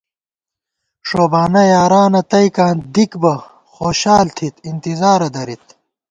ݭوبانہ یارانہ تئیکاں دِک بہ خوشال تھِت اِنتِظارہ درِت